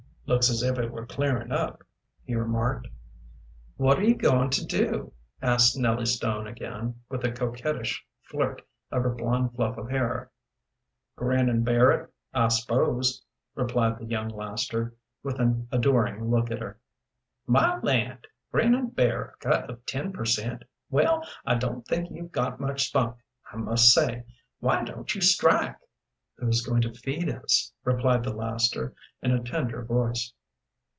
"Looks as if it was clearing up," he remarked. "What are you going to do?" asked Nellie Stone again, with a coquettish flirt of her blond fluff of hair. "Grin and bear it, I s'pose," replied the young laster, with an adoring look at her. "My land! grin and bear a cut of ten per cent.? Well, I don't think you've got much spunk, I must say. Why don't you strike?" "Who's going to feed us?" replied the laster, in a tender voice.